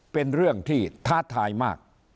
เป็นเรื่องที่ท้าทายมาก